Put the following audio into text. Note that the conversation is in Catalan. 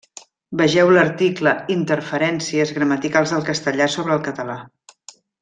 Vegeu l'article Interferències gramaticals del castellà sobre el català.